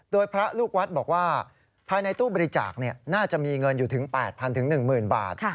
โดยพระลูกวัดบอกว่าภายในตู้บริจาคน่าจะมีเงินอยู่ถึง๘๐๐๑๐๐บาท